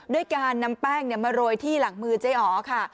ด้วยการนำแป้งมาโรยที่หลังมือเจ๊อ๋อค่ะ